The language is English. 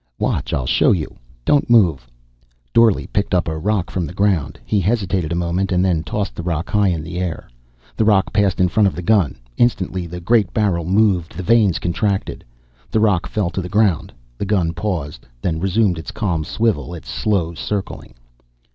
"Watch, I'll show you. Don't move." Dorle picked up a rock from the ground. He hesitated a moment and then tossed the rock high in the air. The rock passed in front of the gun. Instantly the great barrel moved, the vanes contracted. The rock fell to the ground. The gun paused, then resumed its calm swivel, its slow circling.